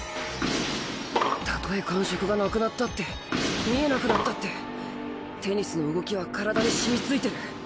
たとえ感触がなくなったって見えなくなったってテニスの動きは体にしみついてる。